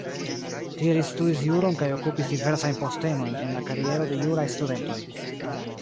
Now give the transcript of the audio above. Tie li studis juron kaj okupis diversajn postenojn en la kariero de juraj studentoj.